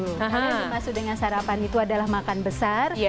karena yang dimaksud dengan sarapan itu adalah makan besar